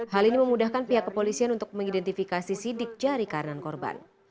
hal ini memudahkan pihak kepolisian untuk mengidentifikasi sidik jari kanan korban